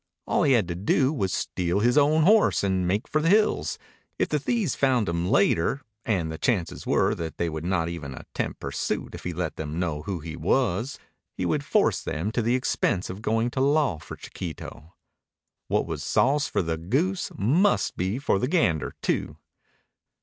All he had to do was to steal his own horse and make for the hills. If the thieves found him later and the chances were that they would not even attempt pursuit if he let them know who he was he would force them to the expense of going to law for Chiquito. What was sauce for the goose must be for the gander too.